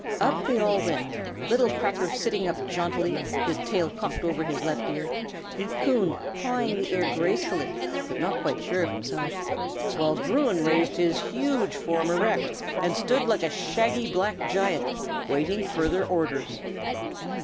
Up they all went, little Cracker sitting up jauntily, his tail cocked over his left ear, Coon pawing the air gracefully, but not quite sure of himself; while Bruin raised his huge form erect, and stood like a shaggy black giant, waiting further orders.